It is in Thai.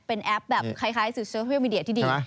เป็นแอปแบบคล้ายสื่อโซเชียลมีเดียที่ดี